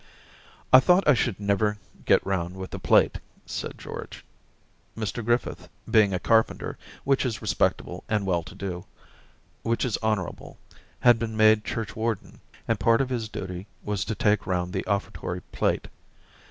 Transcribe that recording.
* I thought I should never get round with the plate,* said George. Mr Griffith, being a carpenter, which is respectable and well to do, which is honourable, had been made churchwarden, and part of his duty was to take round the offertory plate.